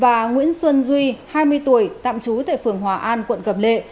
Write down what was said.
và nguyễn xuân duy hai mươi tuổi tạm trú tại phường hòa an quận cầm lệ